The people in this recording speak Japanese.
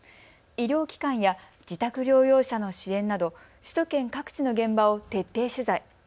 医療機関や自宅療養者の支援など首都圏各地の現場を徹底取材。